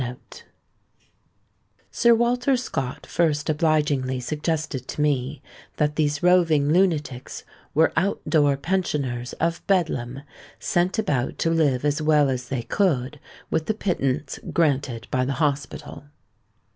Sir Walter Scott first obligingly suggested to me that these roving lunatics were out door pensioners of Bedlam, sent about to live as well as they could with the pittance granted by the hospital.